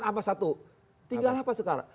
apa satu tinggal apa sekarang